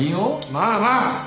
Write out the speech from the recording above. まあまあ。